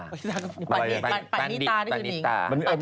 ปนิตานี่หนึ่ง